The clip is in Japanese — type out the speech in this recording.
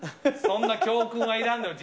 そんな教訓はいらんのよ